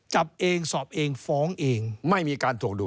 จับเองสอบเองฟ้องเองไม่มีการถวงดุ